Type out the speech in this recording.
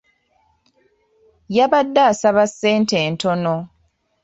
Yabadde asaba ssente ntono.